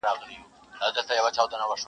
o تا ول زه به یارته زولنې د کاکل واغوندم ,